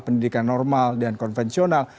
pendidikan normal dan konvensional